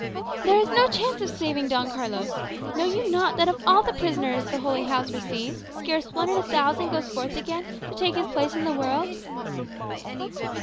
"There is no chance of saving Don Carlos. Know you not that of all the prisoners the Holy House receives, scarce one in a thousand goes forth again to take his place in the world?"